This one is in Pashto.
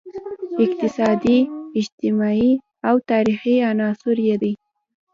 اقتصادي، اجتماعي او تاریخي عناصر یې دي.